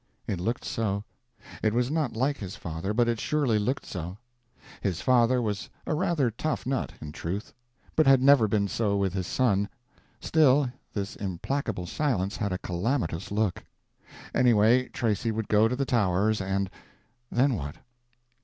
It looked so. It was not like his father, but it surely looked so. His father was a rather tough nut, in truth, but had never been so with his son—still, this implacable silence had a calamitous look. Anyway, Tracy would go to the Towers and —then what?